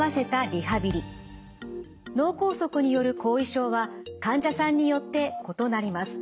脳梗塞による後遺症は患者さんによって異なります。